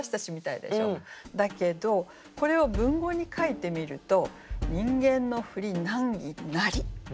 だけどこれを文語に書いてみると「人間のふり難儀なり」。